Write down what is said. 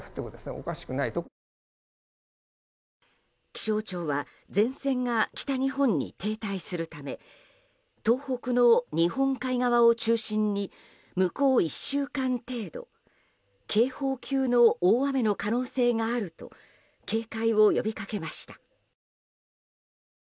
気象庁は前線が北日本に停滞するため東北の日本海側を中心に向こう１週間程度警報級の大雨の可能性があると警戒を呼びかけました。